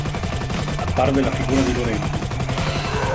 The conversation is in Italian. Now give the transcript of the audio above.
Apparve la figura di Lorenzo.